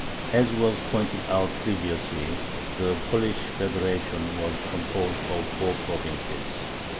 As was pointed out previously, the Polish federation was composed of four provinces.